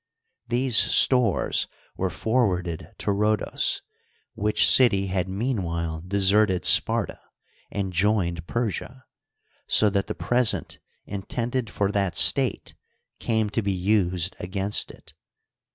These stores were forwarded to Rhodos, which city had meanwhile deserted Sparta and joined Persia, so that the present intended for that state came to be used against it.